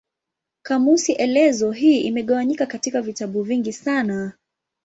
Kamusi elezo hii imegawanyika katika vitabu vingi sana.